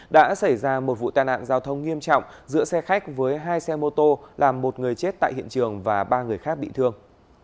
đã xảy ra một vụ tai nạn giao thông nghiêm trọng giữa xe khách với hai xe mô tô làm một người chết tại hiện trường và ba người khác bị thương